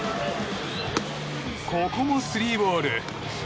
ここもスリーボール。